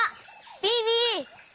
ビビ！